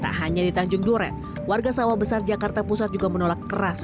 tak hanya di tanjung duren warga sawah besar jakarta pusat juga menolak keras